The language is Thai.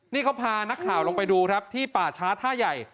นี่เขาพานักข่าวลงไปดูครับที่ป่าช้าท่าใหญ่